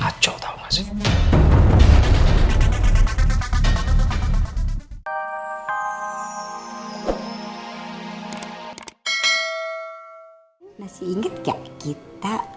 kacau tau gak sih